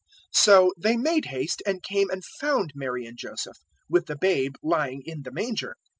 002:016 So they made haste and came and found Mary and Joseph, with the babe lying in the manger.